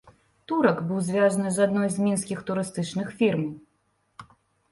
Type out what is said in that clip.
Турак быў звязаны з адной з мінскіх турыстычных фірмаў.